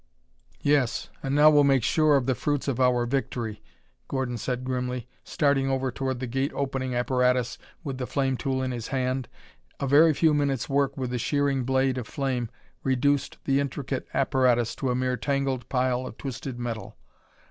"Yes, and now we'll make sure of the fruits of our victory," Gordon said grimly, starting over toward the Gate opening apparatus with the flame tool in his hand. A very few minutes' work with the shearing blade of flame reduced the intricate apparatus to a mere tangled pile of twisted metal.